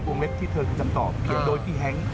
เล็บที่เธอคือคำตอบเพียงโดยพี่แฮง